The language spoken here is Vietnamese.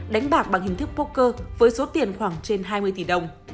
đánh bạc bằng hình thức poker với số tiền khoảng trên hai mươi tỷ đồng